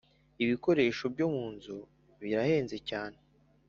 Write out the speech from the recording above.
Ibikoresho byomunzu birahenze cyane